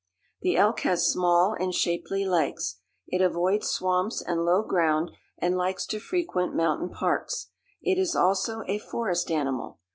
The elk has small and shapely legs. It avoids swamps and low ground and likes to frequent mountain parks. It is also a forest animal.